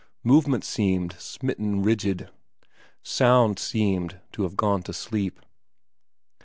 Movement seemed smitten rigid. Sound seemed to have gone to sleep.